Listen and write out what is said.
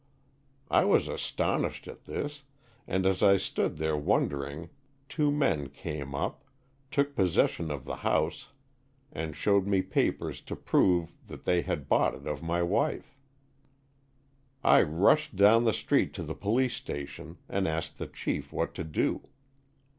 "I was astonished at this, and as I stood there wondering two men came up, took possession of the house, and showed me papers to prove that they had bought it of my wife. I rushed 27 Stories from the Adirondacks. down the street to the police station and asked the chief what to do.